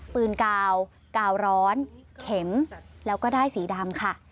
กาวกาวร้อนเข็มแล้วก็ด้ายสีดำค่ะ